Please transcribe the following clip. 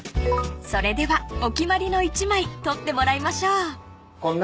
［それではお決まりの一枚撮ってもらいましょう］